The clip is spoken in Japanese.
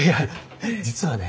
実はね